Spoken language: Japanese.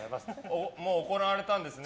もう行われたんですね。